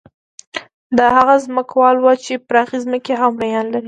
دا هغه ځمکوال وو چې پراخې ځمکې او مریان یې لرل.